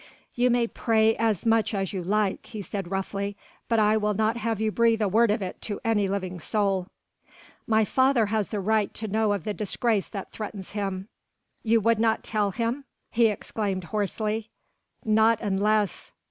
"You may pray as much as you like," he said roughly, "but I'll not have you breathe a word of it to any living soul." "My father has the right to know of the disgrace that threatens him." "You would not tell him?" he exclaimed hoarsely. "Not unless...."